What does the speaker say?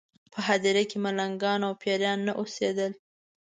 په هدیره کې ملنګان او پېران نه اوسېدل.